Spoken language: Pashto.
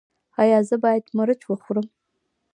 ایا زه باید مرچ وخورم؟